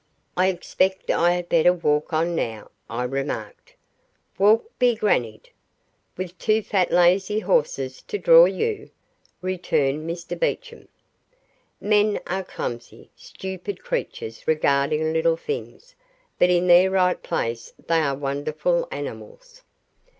"I expect I had better walk on now," I remarked. "Walk, be grannied! With two fat lazy horses to draw you?" returned Mr Beecham. Men are clumsy, stupid creatures regarding little things, but in their right place they are wonderful animals.